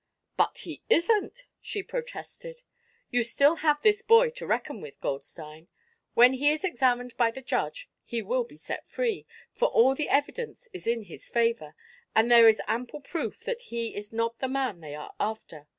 "But he isn't!" she protested. "You still have this boy to reckon with, Goldstein. When he is examined by the judge he will be set free, for all the evidence is in his favor and there is ample proof that he is not the man they are after.